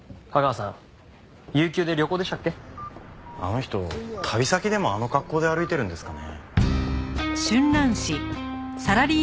あの人旅先でもあの格好で歩いてるんですかね。